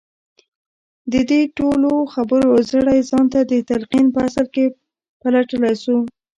د دې ټولو خبرو زړی ځان ته د تلقين په اصل کې پلټلای شو.